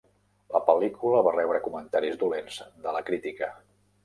La pel·lícula va rebre comentaris dolents de la crítica.